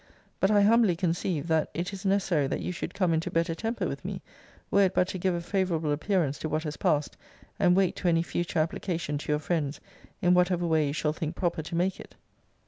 But I humbly conceive, that it is necessary that you should come into better temper with me, were it but to give a favourable appearance to what has passed, and weight to any future application to your friends, in whatever way you shall think proper to make it.